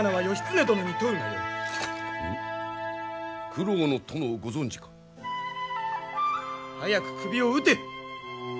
九郎の殿をご存じか！？早く首を討て！